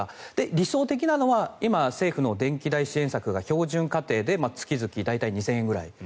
理想的なのは今、政府の電気代支援策が標準家庭で月々大体２０００円ぐらい。